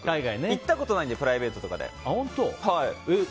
行ったことないのでプライベートで。